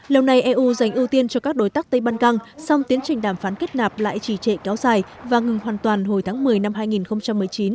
lâu nay eu dành ưu tiên cho các đối tác tây ban căng song tiến trình đàm phán kết nạp lại trì trệ kéo dài và ngừng hoàn toàn hồi tháng một mươi năm hai nghìn một mươi chín